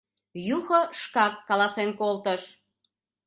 Юхо шкак каласен колтыш: